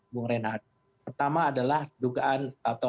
bung renat pertama adalah dugaan atau